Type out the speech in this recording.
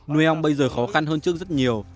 nuôi ong bây giờ khó khăn hơn trước rất nhiều